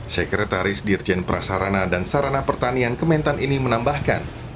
sekretaris dirjen prasarana dan sarana pertanian kementan ini menambahkan